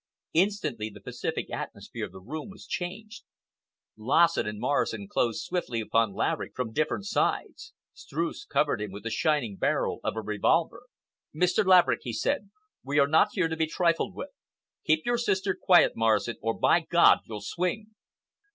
Instantly the pacific atmosphere of the room was changed. Lassen and Morrison closed swiftly upon Laverick from different sides. Streuss covered him with the shining barrel of a revolver. "Mr. Laverick," he said, "we are not here to be trifled with. Keep your sister quiet, Morrison, or, by God, you'll swing!"